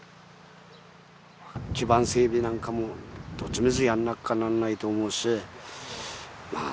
基盤整備なんかもどっちみちやんなきゃなんないと思うしまあ